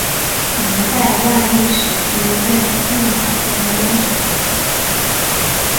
明代万历时期任御马监监丞。